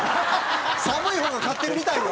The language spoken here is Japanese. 寒い方が勝ってるみたいよ。